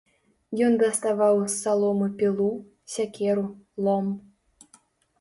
Ён даставаў з саломы пілу, сякеру, лом.